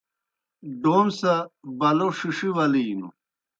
ڈوم سہ بلو ݜِݜِی ولِینوْ۔